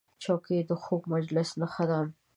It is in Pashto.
چوکۍ د خوږ مجلس نښه ده.